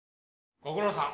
ご苦労さん。